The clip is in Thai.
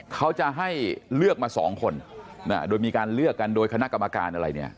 เขาจะให้เลือกมาสองคนโดยมีการเลือกกันโดยคณะกรรมการอะไรเนี่ย